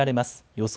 予想